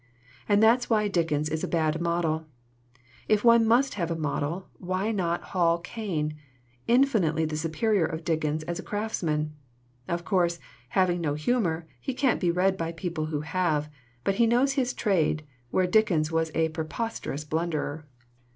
"And that's why Dickens is a bad model. If one must have a model, why not Hall Caine, in 112 SOME HARMFUL INFLUENCES finitely the superior of Dickens as a craftsman? Of course, having no humor, he can't be read by people who have, but he knows his trade, where Dickens was a preposterous blunderer."